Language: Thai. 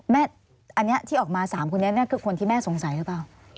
อันนี้ที่ออกมา๓คนนี้คือคนที่แม่สงสัยหรือเปล่า